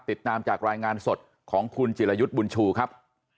ติดตามจากรายงานสดของคุณจิรยุทธ์บุญชูครับ